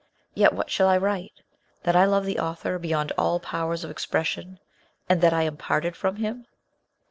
Yet what shall I write that I love the author beyond all powers of expression, and that I am parted from him